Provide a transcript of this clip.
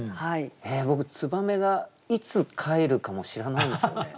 僕燕がいつ帰るかも知らないですね。